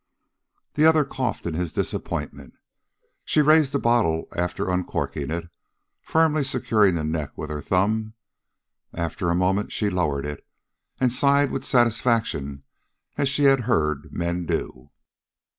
The other coughed his disappointment. She raised the bottle after uncorking it, firmly securing the neck with her thumb. After a moment she lowered it and sighed with satisfaction, as she had heard men do.